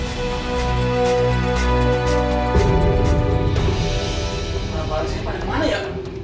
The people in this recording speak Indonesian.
bagaimana biar pada mana ya